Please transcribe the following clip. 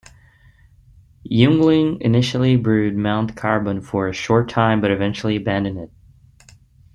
Yuengling initially brewed Mount Carbon for a short time but eventually abandoned it.